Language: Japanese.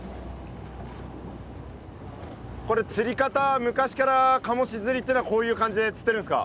これ釣り方昔からカモシ釣りってのはこういう感じで釣ってるんすか？